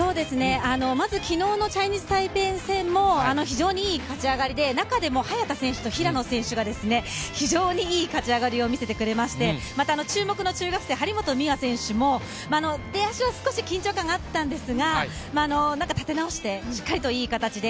まず昨日のチャイニーズ・タイペイ戦も非常にいい勝ち上がりで中でも早田選手と平野選手が非常にいい勝ち上がりを見せてくれましてまた注目の中学生、張本美和選手も出足は少し緊張感があったんですが立て直して、しっかりといい形で。